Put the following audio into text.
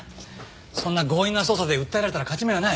そんな強引な捜査で訴えられたら勝ち目はない。